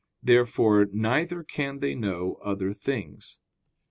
Therefore neither can they know other things.